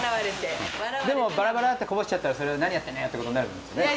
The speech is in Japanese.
でもバラバラってこぼしちゃったらそれは「何やってんのよ！」ってことになるんですよね？